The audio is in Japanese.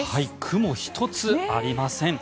雲一つありません。